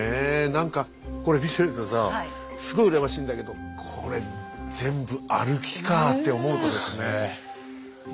何かこれ見てるとさすごい羨ましいんだけどこれ全部歩きかって思うとですね。